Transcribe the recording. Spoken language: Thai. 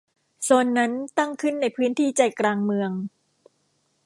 โซนนั้นตั้งขึ้นในพื้นที่ใจกลางเมือง